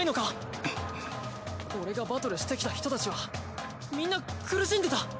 俺がバトルしてきた人たちはみんな苦しんでた。